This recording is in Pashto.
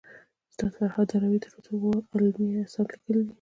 استاد فرهاد داوري تر اوسه اوه علمي اثار ليکلي دي